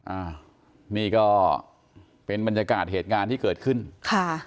อ่านี่ก็เป็นบรรยากาศเหตุการณ์ที่เกิดขึ้นค่ะ